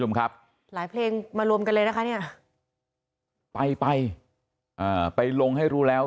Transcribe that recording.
คุณผู้ชมครับหลายเพลงมารวมกันเลยนะคะเนี่ยไปไปลงให้รู้แล้ว